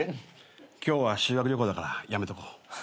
今日は修学旅行だからやめとこう。